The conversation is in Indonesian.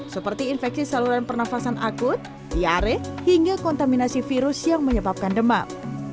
seperti infeksi saluran pernafasan akut diare hingga kontaminasi virus yang menyebabkan demam